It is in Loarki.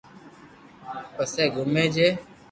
پسي گومي جي